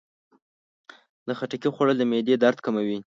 د خټکي خوړل د معدې درد کموي.